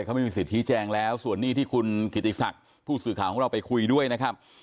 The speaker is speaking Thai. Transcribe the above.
เขาไม่มีสิทธิแจงแล้วส่วนนี้ที่คุณกิติศักดิ์ผู้สื่อข่าวของเราไปคุยด้วยนะครับ